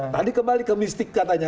tadi kembali ke mistik katanya